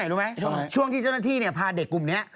เออมันก็ต้องเกาะกับที่ฮั